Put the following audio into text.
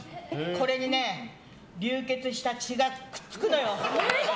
これにね流血した血がくっつくのよ。